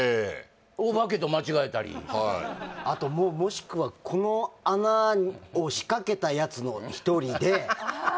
お化けと間違えたりはいあともうもしくはこの穴を仕掛けたやつの１人でああ